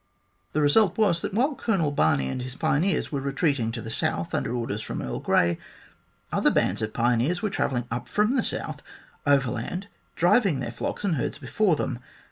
The result was that while Colonel Barney and his pioneers were retreating to the south, under orders from Earl Grey, other bands of pioneers were travelling up from the south, overland, driving their flocks and herds before them.